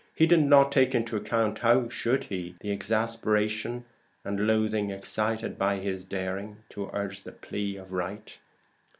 He did not take into account (how should he?) the exasperation and loathing excited by his daring to urge the plea of right.